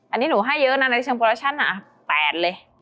อันนี้หนูให้เยอะนะในช่วงโปรแชนนะแปดเลย